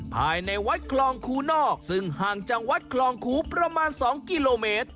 ภายในวัดคลองคูนอกซึ่งห่างจากวัดคลองคูประมาณ๒กิโลเมตร